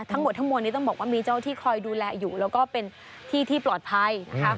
ทั้งหมดทั้งมวลนี้ต้องบอกว่ามีเจ้าที่คอยดูแลอยู่แล้วก็เป็นที่ที่ปลอดภัยนะคะ